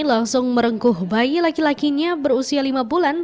langsung merengkuh bayi laki lakinya berusia lima bulan